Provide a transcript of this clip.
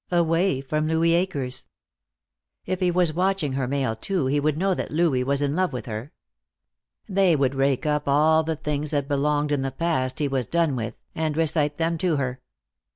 Away from Louis Akers. If he was watching her mail too he would know that Louis was in love with her. They would rake up all the things that belonged in the past he was done with, and recite them to her.